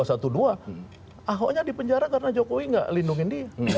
ahoknya dipenjara karena jokowi gak lindungi dia